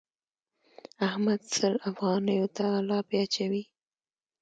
احمد سل افغانيو ته الاپی اچوي.